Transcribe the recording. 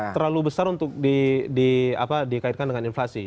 terlalu besar untuk dikaitkan dengan inflasi